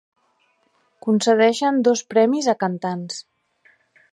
Concedeixen dos premis a cantants.